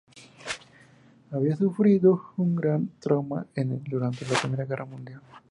Había sufrido un gran trauma durante la Primera Guerra Mundial.